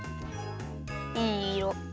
いいいろ。